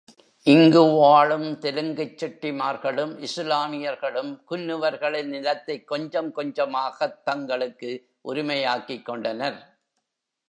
இங்கு வாழும் தெலுங்குச் செட்டிமார்களும், இசுலாமியர்களும் குன்னுவர்களின் நிலத்தைக் கொஞ்சம் கொஞ்சமாகத் தங்களுக்கு உரிமையாக்கிக் கொண்டனர்.